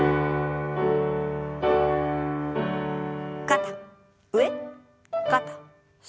肩上肩下。